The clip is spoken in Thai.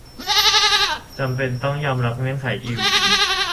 จำเป็นต้องยอมรับเงื่อนไขอยู่อีก